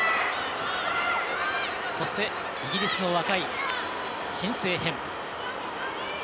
そして、イギリスの若い新星ヘンプ。